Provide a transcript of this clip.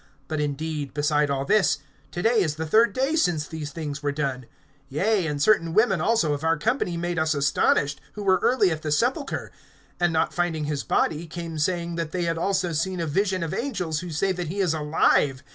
But indeed, beside all this, to day is the third day since these things were done. (22)Yea, and certain women also of our company made us astonished, who were early at the sepulchre; (23)and not finding his body, came saying, that they had also seen a vision of angels, who say that he is alive.